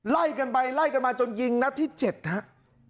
ไล่กันไปไล่กันมาจนยิงนัดที่๗ครับ